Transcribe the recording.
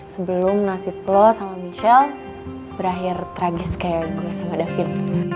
sebelum nasib lo sama michelle berakhir tragis kayak gue sama davin